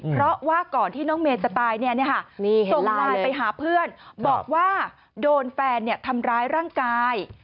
เพราะว่าก่อนที่น้องเมย์จะตายส่งไลน์ไปหาเพื่อนบอกว่าโดนแฟนทำร้ายร่างกาย